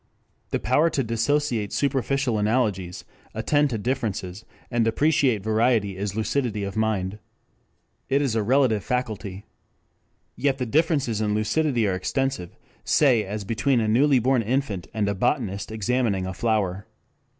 3 The power to dissociate superficial analogies, attend to differences and appreciate variety is lucidity of mind. It is a relative faculty. Yet the differences in lucidity are extensive, say as between a newly born infant and a botanist examining a flower.